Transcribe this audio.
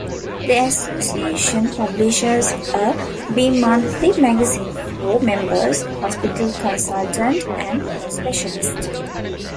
The association publishes a bi-monthly magazine for members, Hospital Consultant and Specialist.